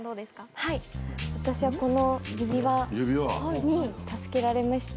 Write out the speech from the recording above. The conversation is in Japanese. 私はこの、指輪に助けられました。